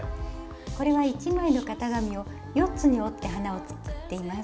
これは１枚の型紙を４つに折って花を作っています。